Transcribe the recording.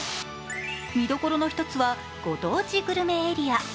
見どころの一つはご当地グルメエリア。